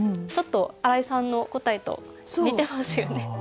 ちょっと新井さんの答えと似てますよね。